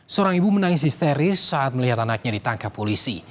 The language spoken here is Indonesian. seorang ibu menangis histeris saat melihat anaknya ditangkap polisi